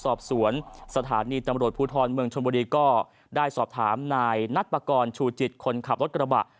สอบสวนสถานีตำรวจภูทรเมืองชนบุรีก็ได้สอบถามนายนัทปากรชูจิตคนขับรถกระบะ